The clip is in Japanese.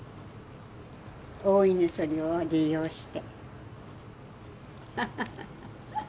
大いにそれを利用して。